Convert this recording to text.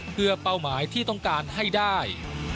เพื่อเป้าหมายที่ต้องการให้ได้